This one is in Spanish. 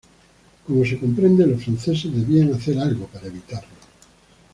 Como se comprende, los franceses debían hacer algo para evitarlo.